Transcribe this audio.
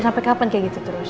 sampai kapan kayak gitu terus